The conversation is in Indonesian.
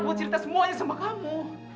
aku cerita semuanya sama kamu